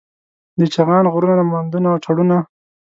د چغان غرونه، مندونه او چړونه